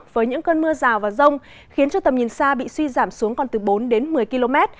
với những cơn mưa rào và rông khiến cho tầm nhìn xa bị suy giảm xuống còn từ bốn đến một mươi km